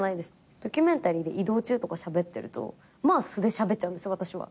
ドキュメンタリーで移動中とかしゃべってると素でしゃべっちゃうんです私は。